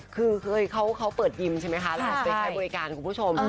คือเขาเปิดยิมใช่ไหมคะแล้วเราไปใช้บริการคุณผู้ชม